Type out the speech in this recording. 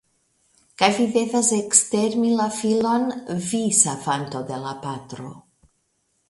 Kaj vi devis ekstermi la filon, vi savanto de la patro!